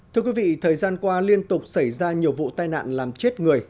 thưa quý vị thời gian qua liên tục xảy ra nhiều vụ tai nạn làm chết người